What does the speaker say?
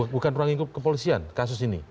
bukan ruang lingkup kepolisian kasus ini